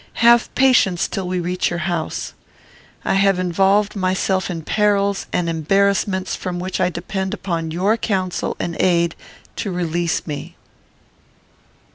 Have patience till we reach your house. I have involved myself in perils and embarrassments from which I depend upon your counsel and aid to release me."